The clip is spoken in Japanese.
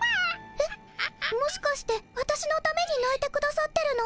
えっもしかしてわたしのためにないてくださってるの？